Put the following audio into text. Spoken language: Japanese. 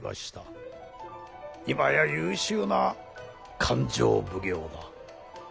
今や優秀な勘定奉行だ。